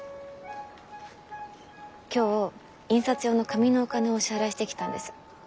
今日印刷用の紙のお金をお支払いしてきたんです。